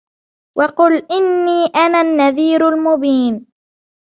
وَقُلْ إِنِّي أَنَا النَّذِيرُ الْمُبِينُ